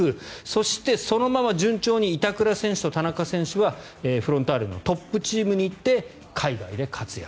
そして、そのまま順調に板倉選手と田中選手はフロンターレのトップチームに行って海外で活躍。